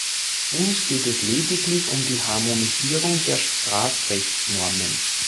Uns geht es lediglich um die Harmonisierung der Strafrechtsnormen.